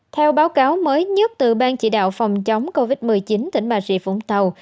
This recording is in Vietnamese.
theo báo cáo mới nhất từ ban chỉ đạo phòng chống covid một mươi chín tỉnh bà rịa vũng tàu